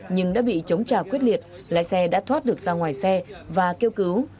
nhưng đã bị chống trả quyết liệt lái xe đã thoát được ra ngoài xe và kêu cứu